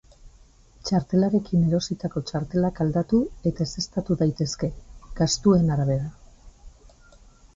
Txartelarekin erositako txartelak aldatu eta ezeztatu daitezke, gastuen arabera.